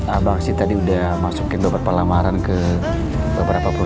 abang sih tadi udah masukin beberapa lamaran ke beberapa perusahaan